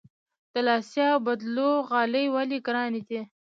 د لاسي اوبدلو غالۍ ولې ګرانې دي؟